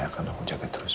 akan jaga terus